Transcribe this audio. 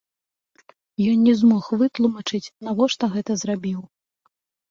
Ён не змог вытлумачыць, навошта гэта зрабіў.